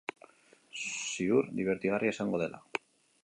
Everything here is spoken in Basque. Ziur dibertigarria izango dela.